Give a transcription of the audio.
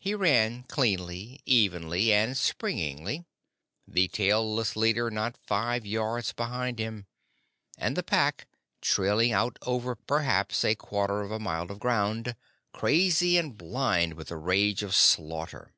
He ran cleanly, evenly, and springily; the tailless leader not five yards behind him; and the Pack tailing out over perhaps a quarter of a mile of ground, crazy and blind with the rage of slaughter.